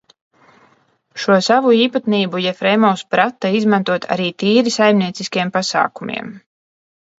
Šo savu īpatnību Jefremovs prata izmantot arī tīri saimnieciskiem pasākumiem.